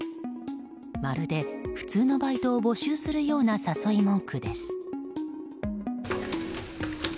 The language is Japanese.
まるで普通のバイトを募集するような誘い文句です。